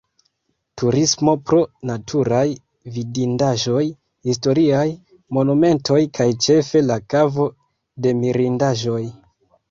Turismo pro naturaj vidindaĵoj, historiaj, monumentoj kaj ĉefe la Kavo de Mirindaĵoj.